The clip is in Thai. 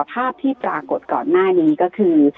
ภาพที่ปรากฏก่อนหน้านี้ก็คือ